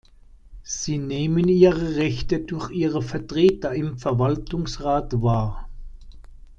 Sie nehmen ihre Rechte durch ihre Vertreter im Verwaltungsrat wahr.